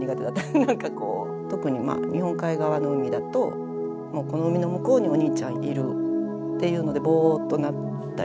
なんかこう特に日本海側の海だともうこの海の向こうにお兄ちゃんいるっていうのでボーッとなったり。